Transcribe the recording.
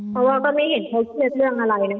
เพราะว่าก็ไม่เห็น